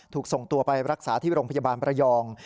ถูกส่งตัวไปรักษาที่โรงพยาบาลประยอง